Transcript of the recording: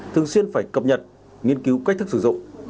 thường xuyên phải cập nhật nghiên cứu cách thức sử dụng